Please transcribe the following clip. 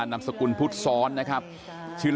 ก่อนที่จะก่อเหตุนี้นะฮะไปดูนะฮะ